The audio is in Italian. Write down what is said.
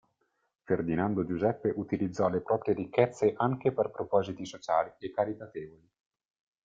Ferdinando Giuseppe utilizzò le proprie ricchezze anche per propositi sociali e caritatevoli.